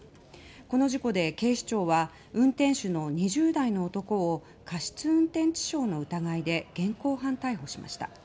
この事故で警視庁は運転手の２０代の男を過失運転致傷の疑いで現行犯逮捕しました。